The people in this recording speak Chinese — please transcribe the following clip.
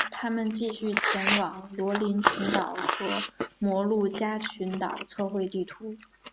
他们继续前往加罗林群岛和摩鹿加群岛测绘地图。